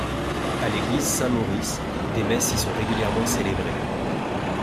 À l'église Saint-Maurice, des messes y sont régulièrement célébrées.